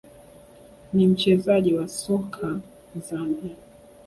ni mchezaji wa soka wa Zambia